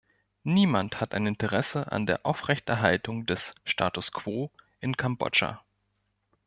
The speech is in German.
Niemand hat ein Interesse an der Aufrechterhaltung des Status quo in Kambodscha.